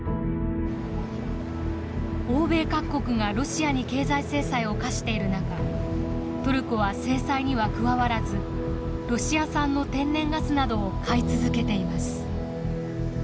欧米各国がロシアに経済制裁を科している中トルコは制裁には加わらずロシア産の天然ガスなどを買い続けています。